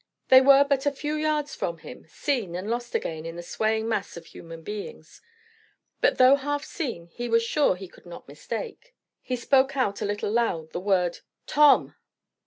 They were but a few yards from him, seen and lost again in the swaying mass of human beings; but though half seen he was sure he could not mistake. He spoke out a little loud the word "Tom!"